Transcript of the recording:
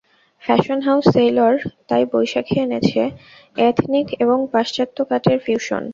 Fashion house Sailor তাই বৈশাখে এনেছে এথনিক এবং পাশ্চাত্য কাটের ফিউশন।